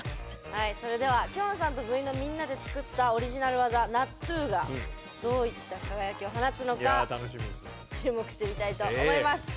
はいそれではきょんさんと部員のみんなで作ったオリジナル技Ｎａｔｔｕｕｕｕｕがどういった輝きを放つのか注目してみたいと思います。